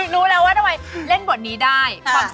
รู้แล้วว่าทำไมเล่นบทนี้ได้